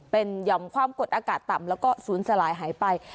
เป็นหย่อมความกดอากาศต่ำแล้วก็ศูนย์สลายหายไป